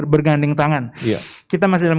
berganding tangan kita masih dalam